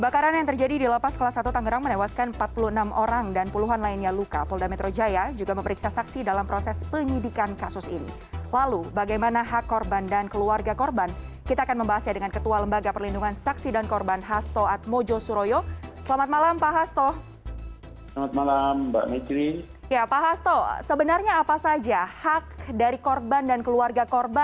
kepala sekolah satu tangerang